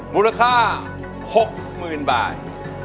มูลค่า๖๐๐๐บาท